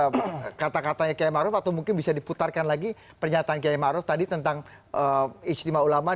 apa kata katanya kiai maruf atau mungkin bisa diputarkan lagi pernyataan kiai ⁇ maruf ⁇ tadi tentang istimewa ulama